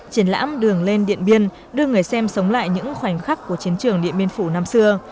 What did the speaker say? triển lãm đường lên điện biên đưa người xem sống lại những khoảnh khắc của chiến trường điện biên phủ năm xưa